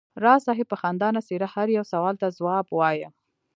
راز صاحب په خندانه څېره هر یو سوال ته ځواب وایه.